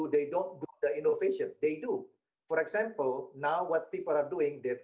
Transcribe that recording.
semoga pak tonby anda bisa memiliki waktu yang baik